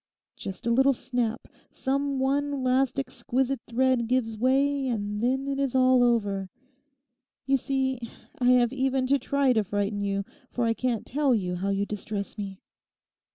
Just a little snap, some one last exquisite thread gives way, and then it is all over. You see I have even to try to frighten you, for I can't tell you how you distress me.